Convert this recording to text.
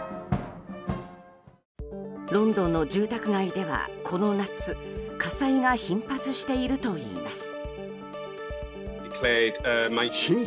ロンドンの住宅街ではこの夏火災が頻発しているといいます。